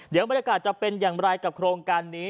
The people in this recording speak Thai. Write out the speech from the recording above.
เดี๋ยวบรรยากาศจะเป็นอย่างไรกับโครงการนี้